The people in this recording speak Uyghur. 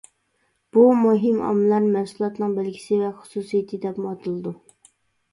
بۇ مۇھىم ئامىللار مەھسۇلاتنىڭ بەلگىسى ۋە خۇسۇسىيىتى دەپمۇ ئاتىلىدۇ.